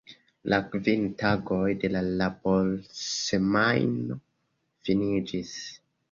La kvin tagoj de laborsemajno finiĝis.